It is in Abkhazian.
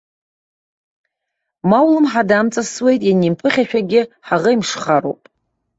Ма улымҳа дамҵасуеит, ианимԥыхьашәагьы ҳаӷеимшхароуп.